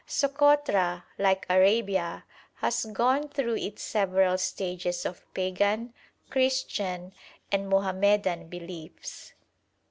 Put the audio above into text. Sokotra, like Arabia, has gone through its several stages of Pagan, Christian, and Mohammedan beliefs.